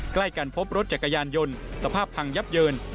ใกล้กันพบรถจักรยานยนต์สภาพพังยับเยิน